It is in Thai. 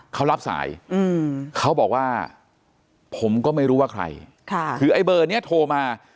เขารับสายเขาบอกว่าผมก็ไม่รู้ว่าใครคือไอ้เบอร์นี้โทรมา